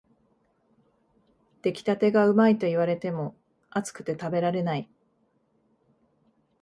出来たてがうまいと言われても、熱くて食べられない